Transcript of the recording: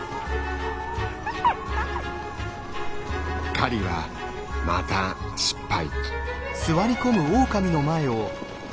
狩りはまた失敗。